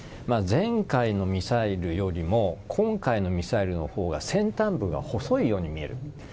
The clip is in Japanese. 前回のミサイルよりも今回のミサイルの方が先端部が細いように見える。